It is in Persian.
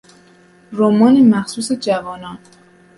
رمان مخصوص جوانان